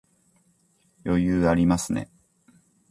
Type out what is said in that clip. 余裕ありますね